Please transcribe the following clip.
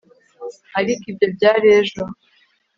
ariko ibyo byari ejo